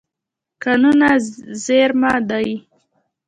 کانونه زېرمه دي.